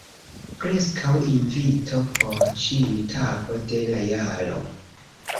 Preskaŭ invito por ĉiu tago de la jaro.